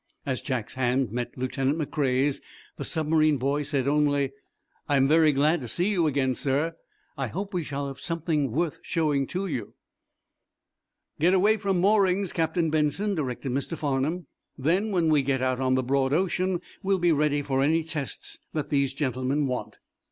As Jack's hand met Lieutenant McCrea's the submarine boy said only: "I am very glad to see you again, sir. I hope we shall have something worth showing to you." "Get away from moorings, Captain Benson," directed Mr. Farnum. "Then, when we get out on the broad ocean, we'll be ready for any tests that these gentlemen want."